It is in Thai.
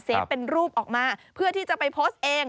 เป็นรูปออกมาเพื่อที่จะไปโพสต์เอง